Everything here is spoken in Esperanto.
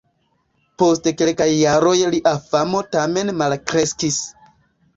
Post kelkaj jaroj lia famo tamen malkreskis.